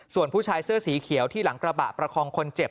ส่วนผู้ชายเสื้อสีเขียวที่หลังกระบะประคองคนเจ็บ